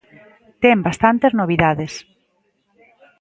Ten bastantes novidades.